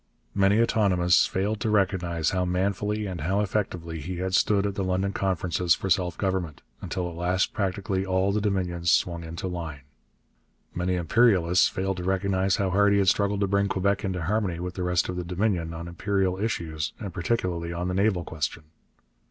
Many autonomists failed to recognize how manfully and how effectively he had stood at the London Conferences for self government, until at last practically all the Dominions swung into line. Many imperialists failed to recognize how hard he had struggled to bring Quebec into harmony with the rest of the Dominion on imperial issues and particularly on the naval question.